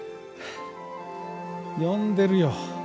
呼んでるよ。